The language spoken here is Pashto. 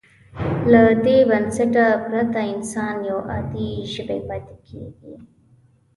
له دې بنسټه پرته انسان یو عادي ژوی پاتې کېږي.